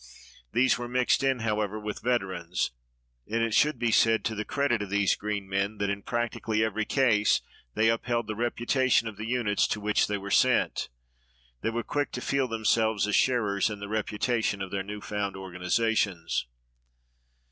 These were mixed in, however, with veterans, and it should be said to the credit of these green men that in practically every case they upheld the reputation of the units to which they were sent. They were quick to feel themselves as sharers in the reputation of their new found organizations.